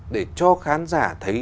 để cho khán giả thấy